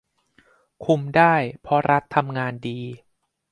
คุมได้ เพราะรัฐทำงานดี